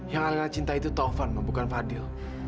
yang alena cinta itu taufan ma bukan fadil